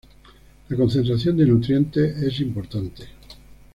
La concentración de nutrientes es importante.